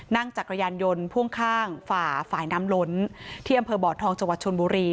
นั่งจากกระยันยนต์พ่วงข้างฝ่าฝ่ายน้ำล้นที่อำเภอบ่อทองจชนบุรี